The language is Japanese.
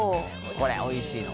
これおいしい。